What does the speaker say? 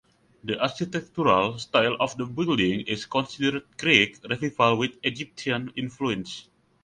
The architectural style of the building is considered Greek Revival with Egyptian influences.